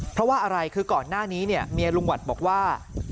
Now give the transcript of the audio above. เพราะว่าอะไรคือก่อนหน้านี้เนี่ยเมียลุงหวัดบอกว่า